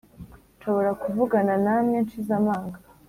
Nshobora kuvugana namwe nshize amanga